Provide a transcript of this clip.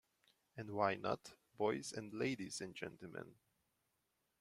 And why not, boys and ladies and gentlemen?